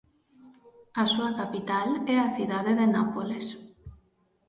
A súa capital é a cidade de Nápoles.